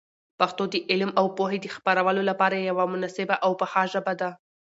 پښتو د علم او پوهي د خپرولو لپاره یوه مناسبه او پخه ژبه ده.